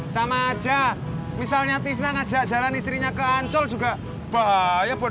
sama aja misalnya tisnang ajak jalan istrinya ke ancol juga bahaya buat